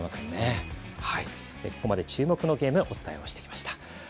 ここまで注目のゲームお伝えをしてきました。